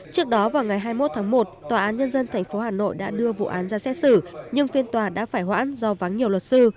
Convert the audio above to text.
trước đó vào ngày hai mươi một tháng một tòa án nhân dân tp hà nội đã đưa vụ án ra xét xử nhưng phiên tòa đã phải hoãn do vắng nhiều luật sư